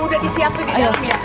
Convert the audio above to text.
bu udah disiapin di dalam ya